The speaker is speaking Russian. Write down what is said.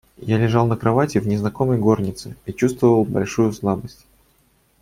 Я лежал на кровати, в незнакомой горнице, и чувствовал большую слабость.